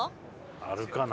あるかな？